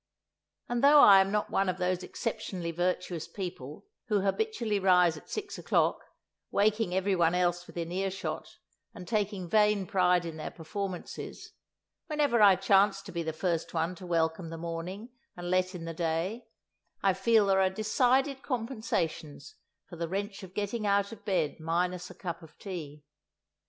And though I am not one of those exceptionally virtuous people who habitually rise at six o'clock, waking every one else within earshot and taking vain pride in their performances, whenever I chance to be the first one to welcome the morning and let in the day, I feel there are decided compensations for the wrench of getting out of bed minus a cup of tea.